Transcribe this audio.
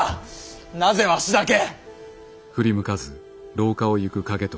なぜわしだけ。